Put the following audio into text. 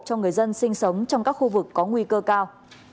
cho người dân sinh sống trong các khu vực có nguy cơ cao